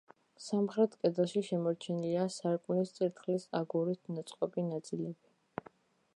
სამხრეთ კედელში შემორჩენილია სარკმლის წირთხლის აგურით ნაწყობი ნაწილები.